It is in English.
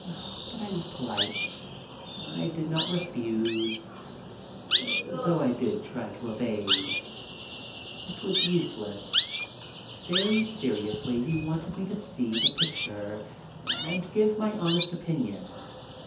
But I was polite. I did not refuse, though I did try to evade. It was useless. Very seriously he wanted me to see the picture and give my honest opinion.